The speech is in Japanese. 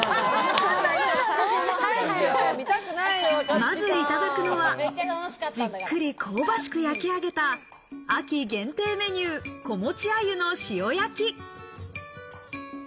まずいただくのは、じっくり香ばしく焼き上げた秋限定メニュー、子持ち鮎の塩焼き。